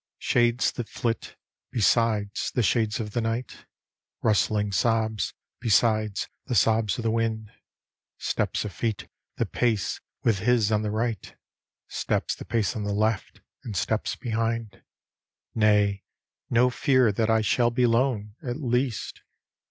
Shades that flit, besides the shades of the night; Rustling sobs besides the sobs of the wind; Steps of feet that pace with his on the right. Steps that pace on the left, and steps behind. "Nay, no fear that 1 shall be lone, at least!